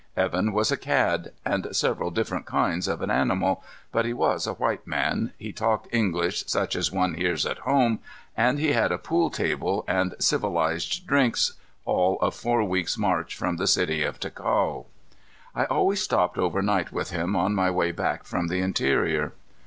Evan was a cad and several different kinds of an animal, but he was a white man, he talked English such as one hears at home, and he had a pool table and civilized drinks all of four weeks' march from the city of Ticao. I always stopped overnight with him on my way back from the interior.